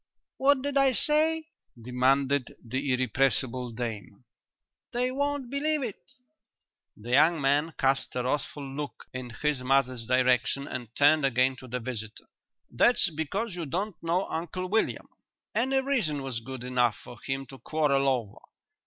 "What did I say?" demanded the irrepressible dame. "They won't believe it." The young man cast a wrathful look in his mother's direction and turned again to the visitor. "That's because you don't know Uncle William. Any reason was good enough for him to quarrel over.